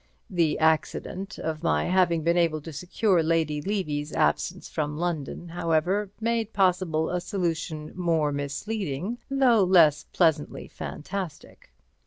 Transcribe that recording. The accident of my having been able to secure Lady Levy's absence from London, however, made possible a solution more misleading, though less pleasantly fantastic.